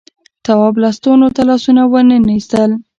تواب لستونو ته لاسونه وننه ایستل.